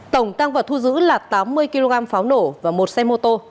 tổng tăng vật thu giữ là tám mươi kg pháo nổ và một xe mô tô